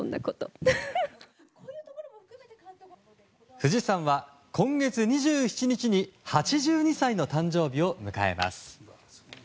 藤さんは、今月２７日に８２歳の誕生日を迎えます。